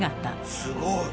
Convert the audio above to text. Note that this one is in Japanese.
すごい！